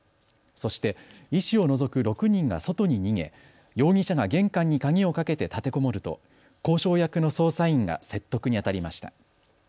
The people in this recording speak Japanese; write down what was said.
そして医師を除く６人が外に逃げ容疑者が玄関に鍵をかけて立てこもると交渉役の捜査員が説得にあたりました。